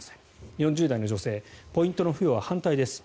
４０代女性ポイントの付与は反対です。